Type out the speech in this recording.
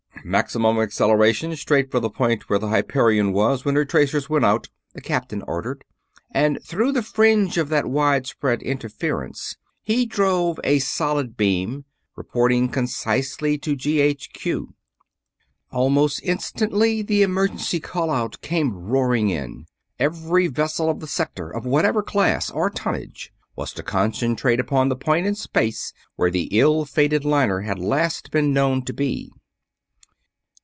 "Maximum acceleration, straight for the point where the Hyperion was when her tracers went out," the captain ordered, and through the fringe of that widespread interference he drove a solid beam, reporting concisely to GHQ. Almost instantly the emergency call out came roaring in every vessel of the Sector, of whatever class or tonnage, was to concentrate upon the point in space where the ill fated liner had last been known to be.